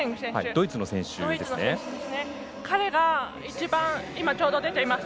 ドイツの選手です。